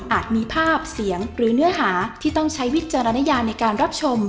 มีภาพเสียงหรือเนื้อหาที่ต้องใช้วิจารณญาในการรับชม